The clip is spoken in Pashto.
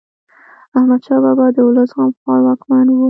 احمد شاه بابا د ولس غمخوار واکمن و.